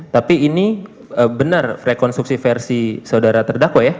tapi ini benar rekonstruksi versi saudara terdakwa ya